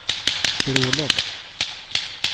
Trewleḍ.